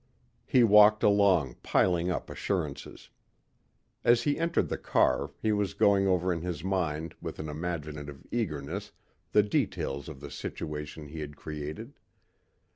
He walked along, piling up assurances. As he entered the car he was going over in his mind with an imaginative eagerness the details of the situation he had created.